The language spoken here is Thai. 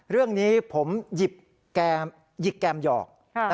เรื่องนี้ผมหยิบแกมหยอก